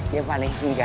ya panik juga